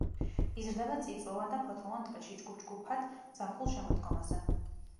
იზრდება წიწვოვან და ფოთლოვან ტყეში ჯგუფ-ჯგუფად ზაფხულ-შემოდგომაზე.